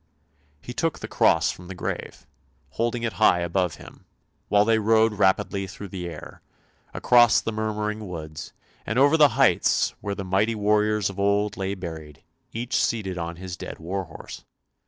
He took the cross from the grave, holding it high above him, while they rode rapidly through the air; across the murmuring woods, and over the heights where the mighty warriors of old lay buried, each seated on his dead war horse.